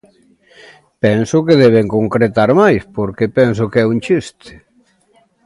Penso que deben concretar máis, porque penso que é un chiste.